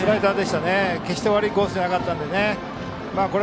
ただ決して悪いコースではなかったので。